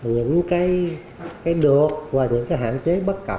những cái đột và những cái hạn chế